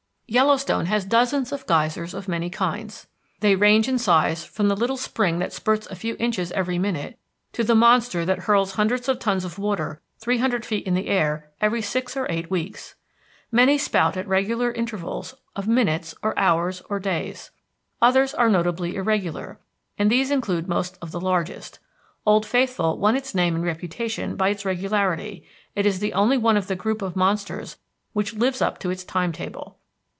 Yellowstone has dozens of geysers of many kinds. They range in size from the little spring that spurts a few inches every minute to the monster that hurls hundreds of tons of water three hundred feet in air every six or eight weeks. Many spout at fairly regular intervals of minutes or hours or days. Others are notably irregular, and these include most of the largest. Old Faithful won its name and reputation by its regularity; it is the only one of the group of monsters which lives up to its time table.